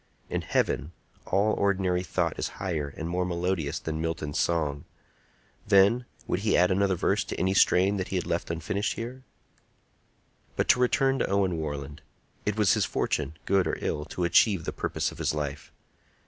In heaven, all ordinary thought is higher and more melodious than Milton's song. Then, would he add another verse to any strain that he had left unfinished here? But to return to Owen Warland. It was his fortune, good or ill, to achieve the purpose of his life.